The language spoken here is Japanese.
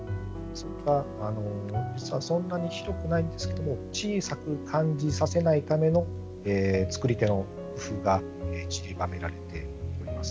実は、そんなに広くないんですけど小さく感じさせないためのつくり手の工夫がちりばめられております。